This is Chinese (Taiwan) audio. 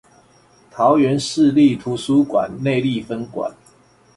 桃園市立圖書館內壢分館